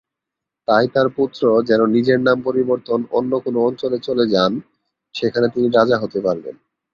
তাই তার পুত্র যেন নিজের নাম পরিবর্তন অন্য কোনো অঞ্চলে চলে যান; সেখানে তিনি রাজা হতে পারবেন।